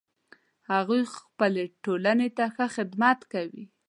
هغوی خپلې ټولنې ته ښه خدمت کوي